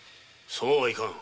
そうはいかぬ。